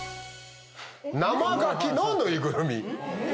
生ガキのぬいぐるみ。